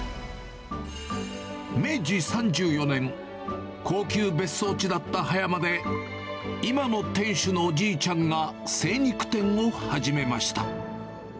明治３４年、高級別荘地だった葉山で、今の店主のおじいちゃんが精肉店を始めました。